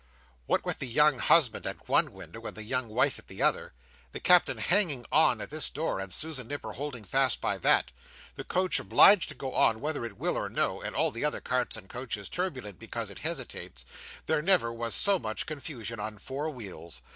What with the young husband at one window, and the young wife at the other; the Captain hanging on at this door, and Susan Nipper holding fast by that; the coach obliged to go on whether it will or no, and all the other carts and coaches turbulent because it hesitates; there never was so much confusion on four wheels.